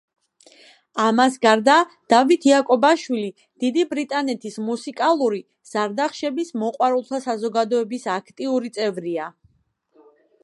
ამას გარდა, დავით იაკობაშვილი დიდი ბრიტანეთის მუსიკალური ზარდახშების მოყვარულთა საზოგადოების აქტიური წევრია.